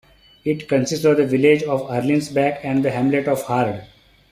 It consists of the village of Erlinsbach and the hamlet of Hard.